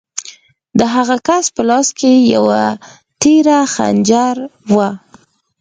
د هغه کس په لاس کې یو تېره خنجر و